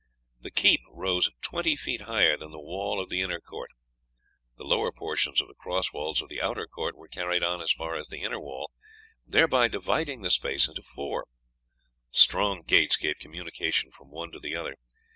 The keep rose twenty feet higher than the wall of the inner court. The lower portions of the cross walls of the outer court were carried on as far as the inner wall, thereby dividing the space into four; strong gates gave communication from one to the other.